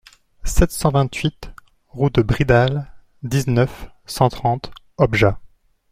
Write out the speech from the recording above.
sept cent vingt-huit route de Bridal, dix-neuf, cent trente, Objat